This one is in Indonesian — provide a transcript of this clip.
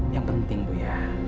yang penting bu ya